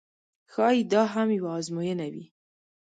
ښایي دا هم یوه آزموینه وي.